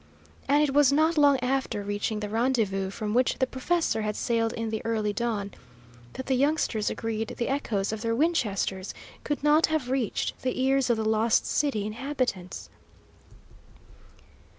And it was not long after reaching the rendezvous from which the professor had sailed in the early dawn, that the youngsters agreed the echoes of their Winchesters could not have reached the ears of the Lost City inhabitants.